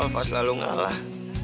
alva selalu ngalah